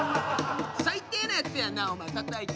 最低なやつやなお前たたいて。